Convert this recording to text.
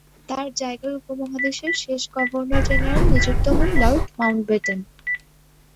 তাঁর জায়গায় উপমহাদেশের শেষ গভর্নর জেনারেল নিযুক্ত হন লর্ড মাউন্টব্যাটেন।